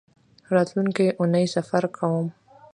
راتلونکۍ اونۍ سفر کوم